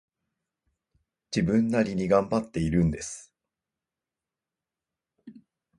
自分なりに頑張っているんです